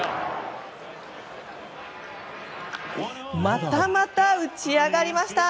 またまた打ち上がりました。